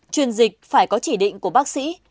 truyền dịch phải có chỉ định của bác sĩ